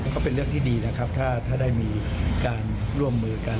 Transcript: ก็เป็นเรื่องที่ดีนะครับถ้าได้มีการร่วมมือกัน